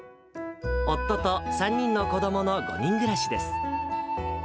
夫と３人の子どもの５人暮らしです。